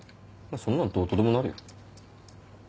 そんなのどうとでもなるよ。